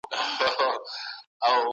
هغوی به نوي لاري لټوي.